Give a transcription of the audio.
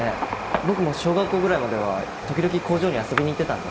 僕も小学校ぐらいまでは時々工場に遊びに行ってたんで。